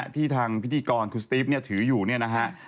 ที่ทางพิธีกรคุณสตีฟเนี่ยถืออยู่เนี่ยนะฮะ